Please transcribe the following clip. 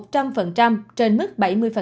trên mức bảy mươi